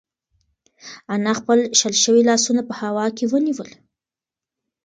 انا خپل شل شوي لاسونه په هوا کې ونیول.